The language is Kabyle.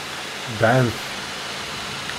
Dɛant.